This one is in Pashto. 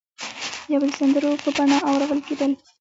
یا به د سندرو په بڼه اورول کېدل.